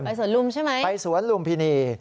สวนลุมใช่ไหมไปสวนลุมพินี